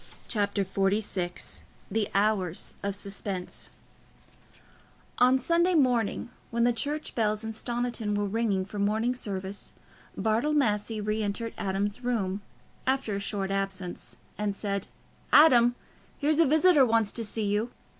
Chapter XLVI The Hours of Suspense On Sunday morning, when the church bells in Stoniton were ringing for morning service, Bartle Massey re entered Adam's room, after a short absence, and said, "Adam, here's a visitor wants to see you."